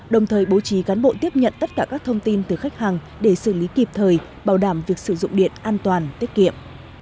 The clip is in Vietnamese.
đồng thời bố trí cán bộ tiếp nhận tất cả các thông tin từ khách hàng để xử lý kịp thời bảo đảm việc sử dụng điện an toàn tiết kiệm